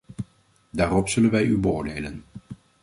Daarop zullen wij u beoordelen.